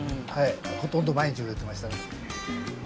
ほとんど毎日、売れてましたね。